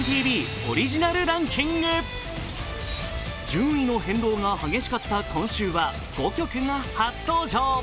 順位の変動が激しかった今週は５曲が初登場。